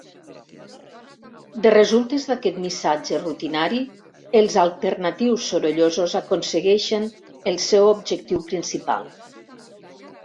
De resultes d'aquest missatge rutinari, els alternatius sorollosos aconsegueixen el seu objectiu principal.